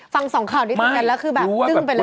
ฟังสองข่าวนี้ทุกวันแล้วคือแบบยึ่งไปเลย